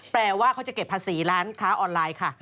แปลว่าเขาจะเก็บภาษีร้านค้าออนไลน์ค่ะ